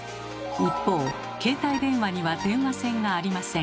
一方携帯電話には電話線がありません。